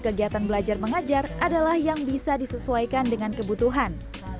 kegiatan belajar mengajar adalah yang bisa disesuaikan dengan kebutuhan